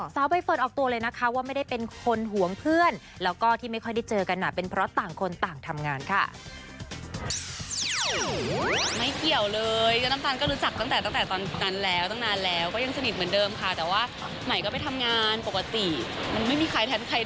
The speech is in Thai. ใบเฟิร์นออกตัวเลยนะคะว่าไม่ได้เป็นคนหวงเพื่อนแล้วก็ที่ไม่ค่อยได้เจอกันเป็นเพราะต่างคนต่างทำงานค่ะ